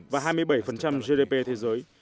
và hai mươi bảy gdp thế giới